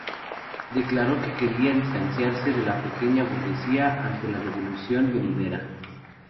Declaró que quería distanciarse de la pequeña burguesía ante la revolución venidera.